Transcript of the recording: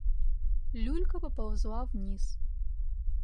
Люлька поползла вниз.